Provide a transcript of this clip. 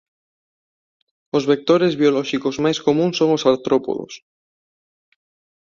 Os vectores biolóxicos máis comúns son os artrópodos.